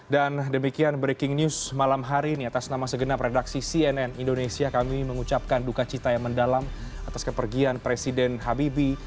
dan demikian breaking news malam hari ini atas nama segenap redaksi cnn indonesia kami mengucapkan duka cita yang mendalam atas kepercayaan presiden habibie